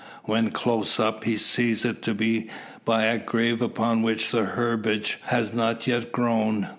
When close up, he sees it to be by a grave upon which the herbage has not yet grown.